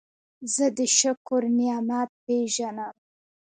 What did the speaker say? زه د شکر نعمت پېژنم.